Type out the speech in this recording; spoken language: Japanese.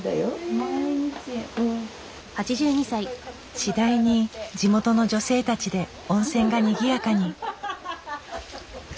次第に地元の女性たちで温泉がにぎやかに。